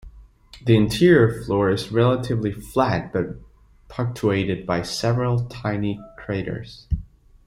The interior floor is relatively flat, but puctuated by several tiny craters.